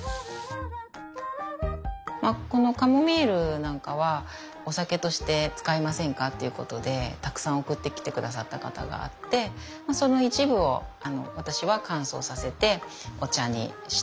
まあこのカモミールなんかはお酒として使いませんかっていうことでたくさん送ってきて下さった方があってその一部を私は乾燥させてお茶にしてみたりとか。